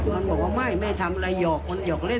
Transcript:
มันบอกว่าไม่ไม่ได้ทำอะไรหยอก